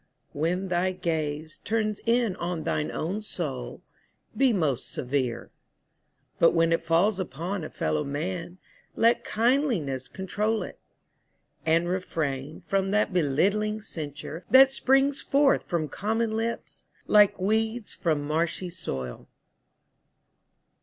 When thy gaze Turns in on thine own soul, be most severe. But when it falls upon a fellow man Let kindliness control it; and refrain From that belittling censure that springs forth From common lips like weeds from marshy soil.